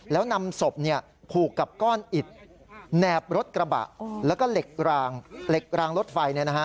แล้วนำศพผูกกับก้อนอิดแหนบรถกระบะแล้วก็เหล็กรางรถไฟ